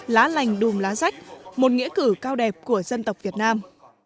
lá lành đùm lá rách một nghĩa cử cao đẹp của dân tộc việt nam